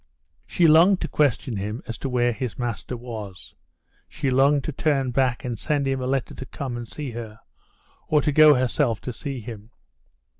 She longed to question him as to where his master was. She longed to turn back and send him a letter to come and see her, or to go herself to see him.